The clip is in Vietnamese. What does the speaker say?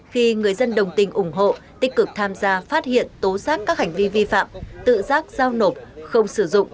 khi người dân đồng tình ủng hộ tích cực tham gia phát hiện tố xác các hành vi vi phạm tự giác giao nộp không sử dụng